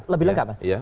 lebih lengkap ya